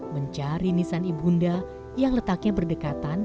mencari nisan ibunda yang letaknya berdekatan